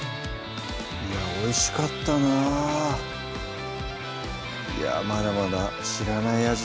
いやおいしかったなまだまだ知らない味